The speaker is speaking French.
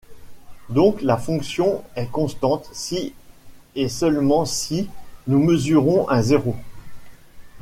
Donc, la fonction est constante si et seulement si nous mesurons un zéro.